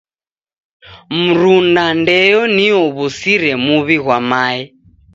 Mrunda ndeyo nio uw'usire muw'i ghwa mae.